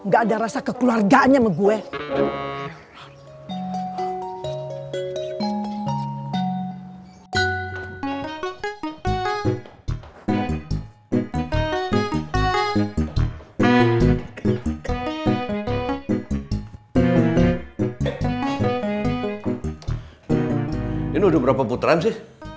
gak ada rasa kekeluargaannya sama gue